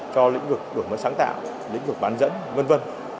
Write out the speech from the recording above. cho lĩnh vực đổi mới sáng tạo lĩnh vực bán dẫn v v